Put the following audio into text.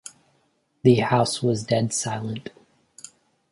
The house was dead silent.